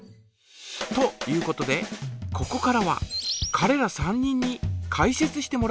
ということでここからはかれら３人にかい説してもらいましょう。